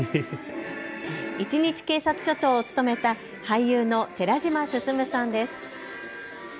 一日警察署長を務めた俳優の寺島進さんです。